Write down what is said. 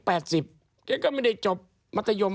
แล้วแกก็ขึ้นรถไฟมาที่กระทรวงยุติธรรม